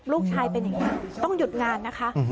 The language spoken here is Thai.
ลูกชายเป็นอย่างนี้ต้องหยุดงานนะคะ